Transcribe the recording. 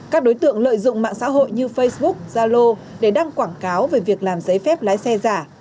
các đối tượng lợi dụng mạng xã hội như facebook zalo để đăng quảng cáo về việc làm giấy phép lái xe giả